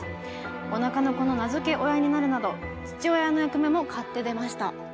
おなかの子の名付け親になるなど父親の役目も買って出ました。